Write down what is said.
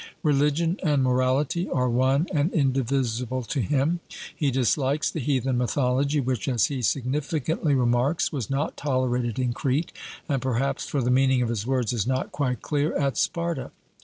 Religion and morality are one and indivisible to him. He dislikes the 'heathen mythology,' which, as he significantly remarks, was not tolerated in Crete, and perhaps (for the meaning of his words is not quite clear) at Sparta.